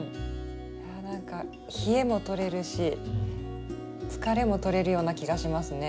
なんか冷えもとれるし疲れもとれるような気がしますね。